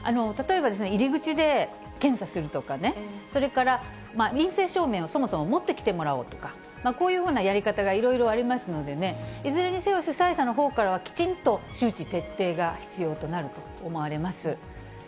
例えば、入り口で検査するとかね、それから陰性証明をそもそも持ってきてもらおうとか、こういうふうなやり方がいろいろありますのでね、いずれにせよ主催者のほうからはきちんと周知徹底が必要となると思われます。